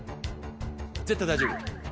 絶対大丈夫。